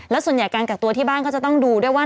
แล้วส่วนใหญ่การกักตัวที่บ้านก็จะต้องดูด้วยว่า